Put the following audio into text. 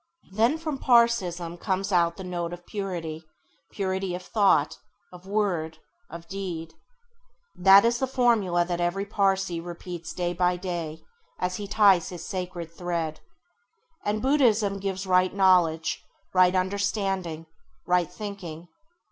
Then from Pãrsîism comes out the note of Purity, purity of thought, of word, of deed. That is the formula that every Pãrsî repeats day by day as he ties his sacred thread. And Buddhism gives right knowledge, right understanding, right thinking.